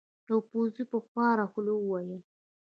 یوه پوځي په خواره خوله وویل.